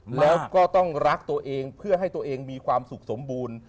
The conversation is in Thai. แล้วก็ต้องรักตัวเองเพื่อให้ตัวเองมีความสุขสมบูรณ์